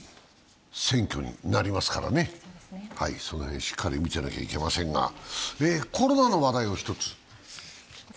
すぐに選挙になりますから、その辺しっかり見ておかないといけませんが、コロナの話題を１つ。